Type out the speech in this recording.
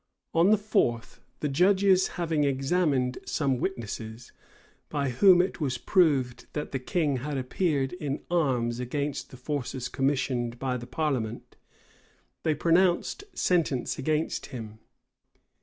On the fourth, the judges having examined some witnesses, by whom it was proved that the king had appeared in arms against the forces commissioned by the parliament, they pronounced sentence against him.